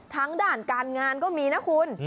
ด่านการงานก็มีนะคุณ